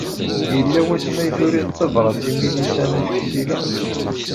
Yella wasmi ay turiḍ tabṛat i Milisa n At Ksila?